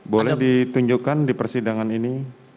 boleh ditunjukkan di persidangan ini